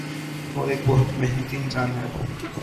وہ ایک بہت محنتی انسان ہے۔